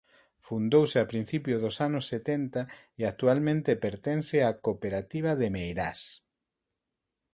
Fundouse a principios dos anos setenta e actualmente pertence á Cooperativa de Meirás.